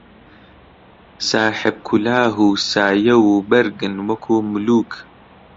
ساحێب کولاهـ و سایە و بەرگن وەکوو مولووک